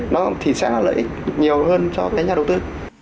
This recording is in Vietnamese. nó thì sẽ là lợi ích nhiều hơn cho cái nhà đầu tư